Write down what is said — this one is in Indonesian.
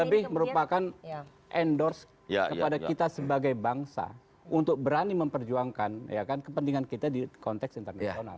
tapi merupakan endorse kepada kita sebagai bangsa untuk berani memperjuangkan kepentingan kita di konteks internasional